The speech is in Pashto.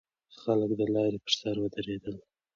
خلک د لارې پر سر ودرېدل.